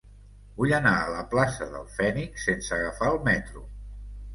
Vull anar a la plaça del Fènix sense agafar el metro.